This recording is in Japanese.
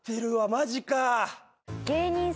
マジか。